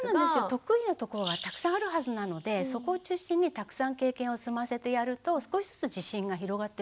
得意なところがたくさんあるはずなのでそこを中心にたくさん経験を積ませてやると少しずつ自信が広がってくると思います。